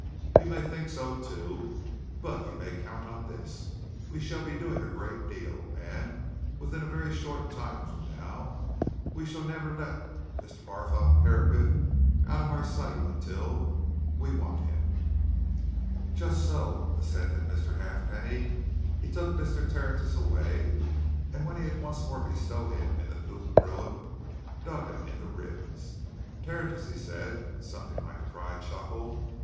You may think so, too. But you may count on this we shall be doing a great deal, and within a very short time from now we shall never let Mr. Barthorpe Herapath out of our sight until we want him." "Just so," assented Mr. Halfpenny. He took Mr. Tertius away, and when he had once more bestowed him in the coupé brougham, dug him in the ribs. "Tertius!" he said, with something like a dry chuckle.